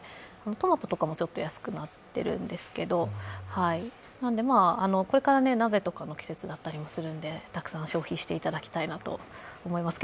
トマトとかもちょっと安くなってるんですけどこれから鍋とかの季節だったりとかもするのでたくさん消費してもらいたいと思います。